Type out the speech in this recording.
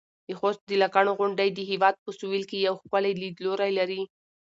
د خوست د لکڼو غونډۍ د هېواد په سویل کې یو ښکلی لیدلوری لري.